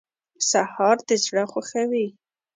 سهار د زړه خوښوي.